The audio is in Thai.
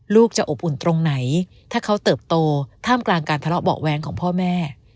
ลูกจะอบอุ่นตรงไหนถ้าเขาเติบโตท่ามกลางการทะเลาะเบาะแว้งของพ่อแม่